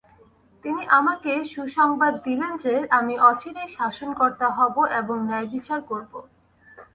তিনি আমাকে সুসংবাদ দিলেন যে, আমি অচিরেই শাসনকর্তা হব এবং ন্যায় বিচার করব।